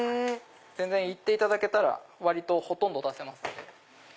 言っていただけたら割とほとんど出せますんで。